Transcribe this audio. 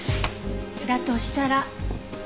だとしたら。